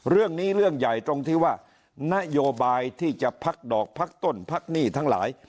เรื่องใหญ่ตรงที่ว่านโยบายที่จะพักดอกพักต้นพักหนี้ทั้งหลาย